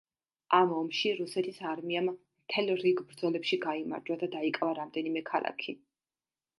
ამ ომში რუსეთის არმიამ მთელ რიგ ბრძოლებში გაიმარჯვა და დაიკავა რამდენიმე ქალაქი.